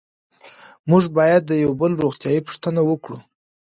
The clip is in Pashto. موږ باید د یو بل روغتیایي پوښتنه وکړو.